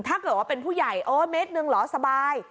ถ้าเกิดว่าเป็นผู้ใหญ่โอ้เมตรหนึ่งเหรอสบาย